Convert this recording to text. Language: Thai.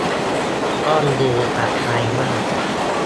ต้องดูอะไรบ้าง